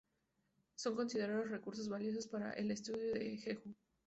Son considerados recursos valiosos para el estudio de Jeju.